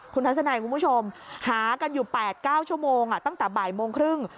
คุณทัศนัยคุณผู้ชมหากันอยู่๘๙ชั่วโมงตั้งแต่บ่ายโมงครึ่ง